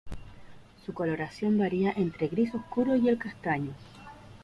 Su coloración varía entre el gris oscuro y el castaño.